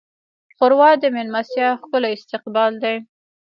ښوروا د میلمستیا ښکلی استقبال دی.